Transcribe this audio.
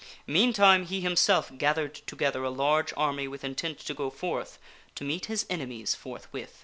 Meantime he himself gathered together a large army with intent to go forth to meet his enemies forthwith.